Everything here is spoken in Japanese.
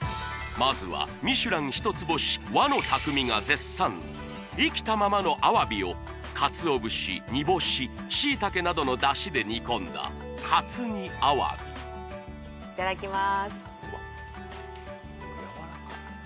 まずはミシュラン一つ星生きたままのアワビをかつお節煮干ししいたけなどのダシで煮込んだ活煮アワビいただきます